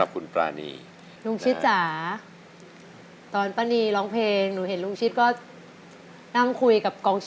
บารมีกฎความรับนะคะ